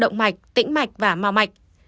động mạch tĩnh mạch và mau mạch